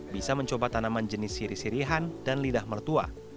bisa mencoba tanaman jenis siri sirihan dan lidah mertua